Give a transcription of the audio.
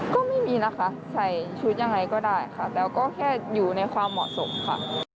ก็ไม่มีนะคะใส่ชุดยังไงก็ได้ค่ะแล้วก็แค่อยู่ในความเหมาะสมค่ะ